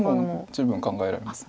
十分考えられます。